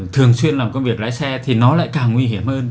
thường xuyên làm công việc lái xe thì nó lại càng nguy hiểm hơn